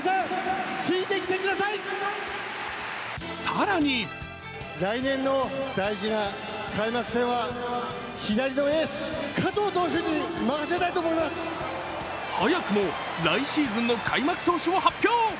更に早くも来シーズンの開幕投手を発表。